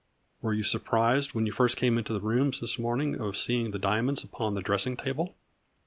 " Were you surprised, when you first came into the rooms this morning, at seeing the diamonds upon the dressing table